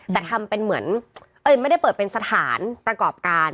แต่ทำเป็นเหมือนไม่ได้เปิดเป็นสถานประกอบการ